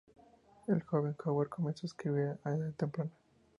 El joven Howard comenzó a escribir a edad temprana.